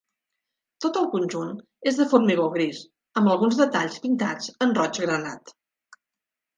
Tot el conjunt és de formigó gris, amb alguns detalls pintats en roig granat.